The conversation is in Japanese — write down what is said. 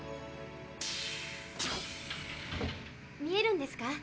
見えるんですか？